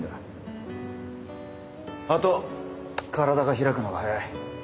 あと体が開くのが早い。